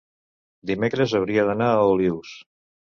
dimecres hauria d'anar a Olius.